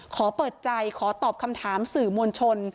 ขอเปิดใจขอตอบคำถามสื่อมวลชน